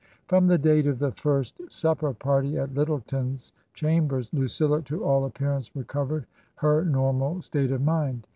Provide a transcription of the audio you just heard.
From the date of the first supper party at Lyttleton's chambers Lucilla to all appearance recovered her normal state of mind.